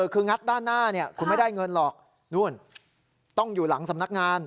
คืองัดด้านหน้าคุณไม่ได้เงินหรอกนู่นต้องอยู่หลังสำนักงาน